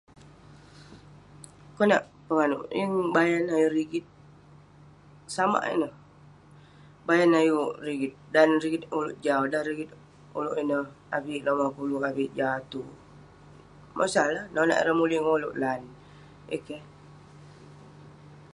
Konak penganouk, yeng bayan ayuk rigit. Samak ineh, bayan ayuk rigit. Dan rigit ulouk jau, dan rigit ulouk ineh avik lomah puluk, avik jah atu, mosah eh lah. Nonak ireh mulik ngan ulouk lan. Yeng eh keh.